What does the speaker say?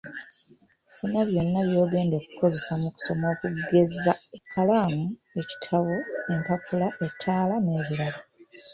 Funa byonna by'ogenda okukozesa mu kusoma okugeza ekkalaamu, ekitabo, empapula ettaala n’ebirala.